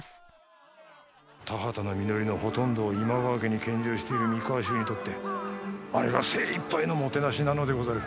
田畑の実りのほとんどを今川家に献上している三河衆にとってあれが精いっぱいのもてなしなのでござる。